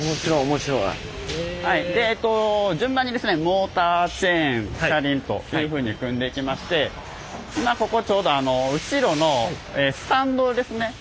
モーターチェーン車輪というふうに組んでいきまして今ここちょうど後ろのスタンドですね